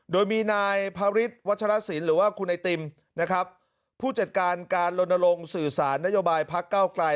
โดยมีนายพระฤทธิวัชรสินหรือว่าคุณไอติมนะครับผู้จัดการการลนลงสื่อสารนโยบายพักเก้าไกล